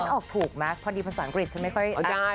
ออกถูกไหมพอดีภาษาอังกฤษฉันไม่ค่อยเอาได้